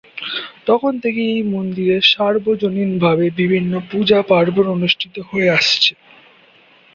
তখন থেকেই এই মন্দিরে সার্বজনীন ভাবে বিভিন্ন পূজা-পার্বণ অনুষ্ঠিত হয়ে আসছে।